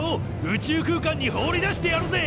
宇宙空間に放り出してやるぜ！